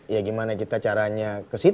ya gimana kita caranya